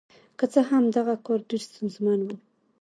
که څه هم دغه کار ډېر ستونزمن و.